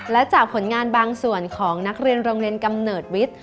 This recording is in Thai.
และจากผลงานบางส่วนของนักเรียนโรงเรียนกำเนิดวิทย์